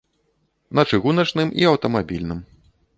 На чыгуначным і аўтамабільным.